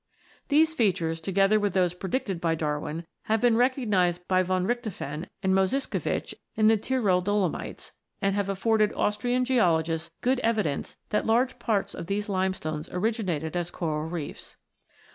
These features, together with those predicted by Darwin, have been recognised by von Bichthofen and Mojsisovics in the Tyrol dolomites, and have afforded Austrian geologists good evidence that large parts of these limestones originated as coral reefs.